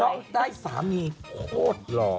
เพราะได้สามีโคตรหลอ